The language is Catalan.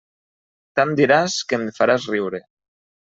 Tant diràs que em faràs riure.